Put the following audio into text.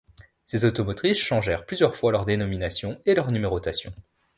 Ces automotrices changèrent plusieurs fois leurs dénominations et leurs numérotations.